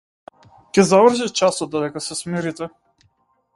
Ќе заврши часот додека се смирите.